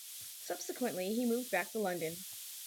Subsequently, he moved back to London.